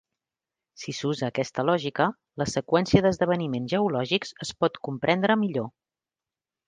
Si s'usa aquesta lògica, la seqüència d'esdeveniments geològics es pot comprendre millor.